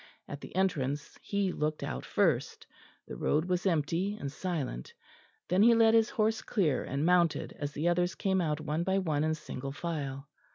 At the entrance he looked out first; the road was empty and silent. Then he led his horse clear, and mounted as the others came out one by one in single file.